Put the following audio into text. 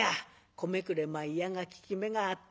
『米くれまいや』が効き目があったんやな」。